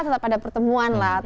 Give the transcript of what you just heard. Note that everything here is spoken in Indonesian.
tetap ada pertemuan lah